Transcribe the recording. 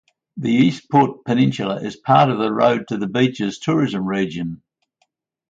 The Eastport Peninsula is part of The Road to The Beaches tourism region.